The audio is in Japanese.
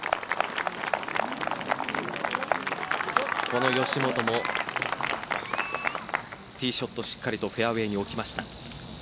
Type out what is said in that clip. この吉本もティーショットしっかりとフェアウエーに置きました。